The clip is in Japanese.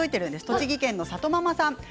栃木県の方です。